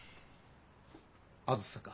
あづさか？